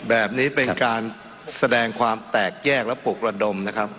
แบบนี้เป็นการแสดงความแตกแยกและปลุกระดมนะครับ